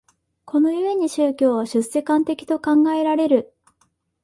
この故に宗教は出世間的と考えられる。